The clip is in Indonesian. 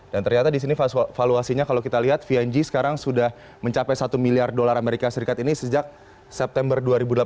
dan ternyata di sini valuasinya kalau kita lihat vng sekarang sudah mencapai satu miliar usd ini sejak september dua ribu delapan belas